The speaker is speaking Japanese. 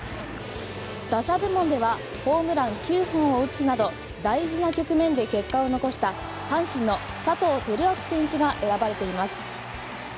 打者部門ではホームラン９本を打つなど大事な局面で結果を残した阪神の佐藤輝明選手が選ばれています。